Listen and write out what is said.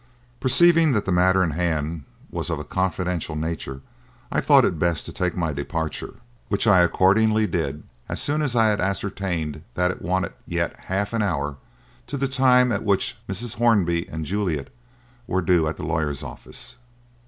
Perceiving that the matter in hand was of a confidential nature, I thought it best to take my departure, which I accordingly did, as soon as I had ascertained that it wanted yet half an hour to the time at which Mrs. Hornby and Juliet were due at the lawyer's office.